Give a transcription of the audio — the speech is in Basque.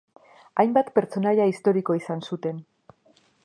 Hainbat pertsonaia historiko izan zuten.